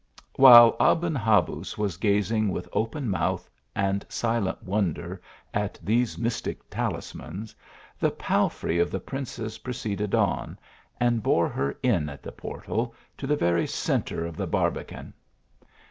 While Aben Habuz was gazing with open mouth and silent wonder at these mystic talismans, the pal frey of the princess proceeded on, and bore her in at the portal, to the very centre of the barbican.